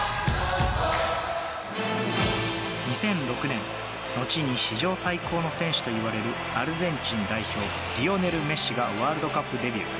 ２００６年後に史上最高の選手といわれるアルゼンチン代表リオネル・メッシがワールドカップデビュー。